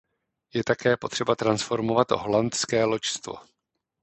Je také potřeba transformovat holandské loďstvo.